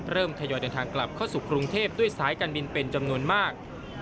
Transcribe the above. ทยอยเดินทางกลับเข้าสู่กรุงเทพด้วยสายการบินเป็นจำนวนมาก